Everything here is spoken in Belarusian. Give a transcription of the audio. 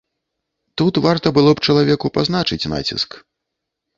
Тут варта было б чалавеку пазначыць націск.